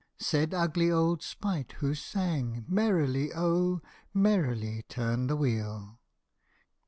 Said ugly old Spite, who sang, " Merrily, oh ! Merrily turn the wheel